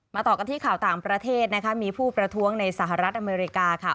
ต่อกันที่ข่าวต่างประเทศนะคะมีผู้ประท้วงในสหรัฐอเมริกาค่ะ